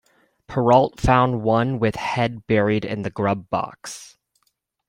Perrault found one with head buried in the grub box.